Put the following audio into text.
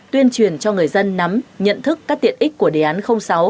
tuyên truyền cho người dân nắm nhận thức các tiện ích của đề án sáu